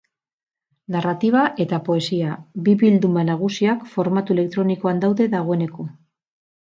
Narratiba eta poesia, bi bilduma nagusiak, formatu elektronikoan daude dagoeneko.